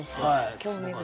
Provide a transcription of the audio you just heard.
興味深い。